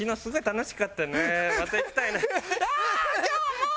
もう！